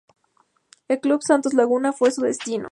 El Club Santos Laguna fue su destino.